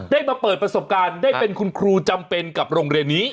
ได้มาเปิดประสบการณ์ได้เป็นคุณครูจำเป็นกับโรงเรียนนี้